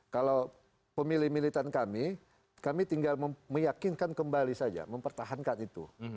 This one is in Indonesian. kalau pemilih militan kami kami tinggal meyakinkan kembali saja mempertahankan itu